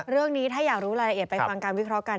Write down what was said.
เรื่องนี้ถ้าอยากรู้รายละเอียดไปฟังการวิเคราะห์กัน